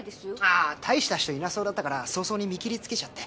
あ大した人いなそうだったから早々に見切りつけちゃって。